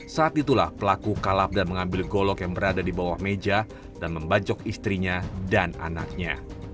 saat itulah pelaku kalap dan mengambil golok yang berada di bawah meja dan membacok istrinya dan anaknya